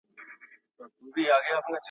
د ارغنداب سیند اوبه د مېوو خوند لوړوي.